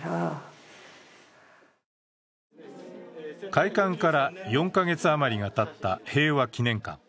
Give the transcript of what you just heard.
開館から４か月余りがたった平和祈念館。